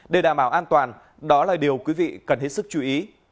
để đảm bảo an toàn đó là điều quý vị cần hết sức chú ý